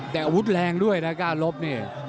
แต่อาวุธแรงด้วยนะก้าลบนี่